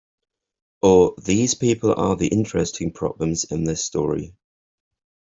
Oh, these people are the interesting problems in this story.